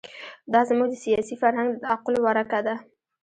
دا زموږ د سیاسي فرهنګ د تعقل ورکه ده.